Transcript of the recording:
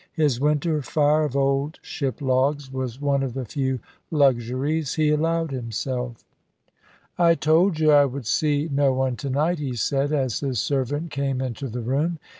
His winter fire of old ship logs was one of the few luxuries he allowed himself. "I told you I would see no one to night," he said, as his servant came into the room.